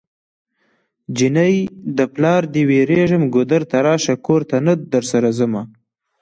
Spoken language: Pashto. جنۍ د پلاره دی ويريږم ګودر ته راشه کور ته نه درسره ځمه